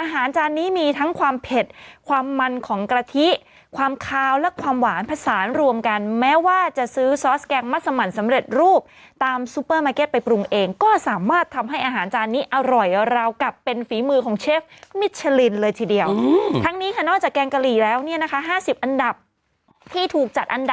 อาหารจานนี้มีทั้งความเผ็ดความมันของกะทิความคาวและความหวานผสานรวมกันแม้ว่าจะซื้อซอสแกงมัสมันสำเร็จรูปตามซูเปอร์มาร์เก็ตไปปรุงเองก็สามารถทำให้อาหารจานนี้อร่อยราวกลับเป็นฝีมือของเชฟมิชลินเลยทีเดียวทั้งนี้ค่ะนอกจากแกงกะหรี่แล้วเนี่ยนะคะ๕๐อันดับที่ถูกจัดอันดับ